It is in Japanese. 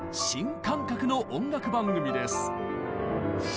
新感覚の音楽番組です。